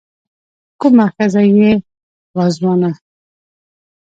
کومه ښځه يې وه ځوانه